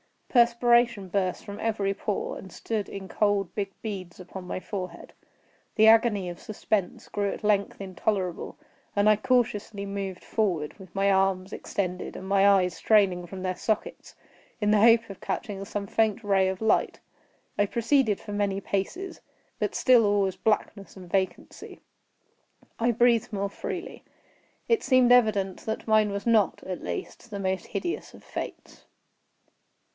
Perspiration burst from every pore, and stood in cold big beads upon my forehead. The agony of suspense grew at length intolerable, and I cautiously moved forward, with my arms extended, and my eyes straining from their sockets, in the hope of catching some faint ray of light. I proceeded for many paces; but still all was blackness and vacancy. I breathed more freely. It seemed evident that mine was not, at least, the most hideous of fates.